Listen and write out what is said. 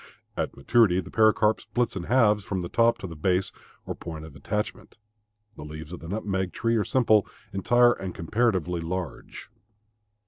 At maturity the pericarp splits in halves from the top to the base or point of attachment. The leaves of the nutmeg tree are simple, entire, and comparatively large.